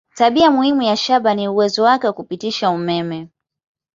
Tabia muhimu ya shaba ni uwezo wake wa kupitisha umeme.